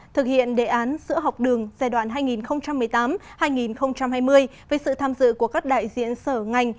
thực hiện đề án sữa học đường giai đoạn hai nghìn một mươi tám hai nghìn hai mươi với sự tham dự của các đại diện sở ngành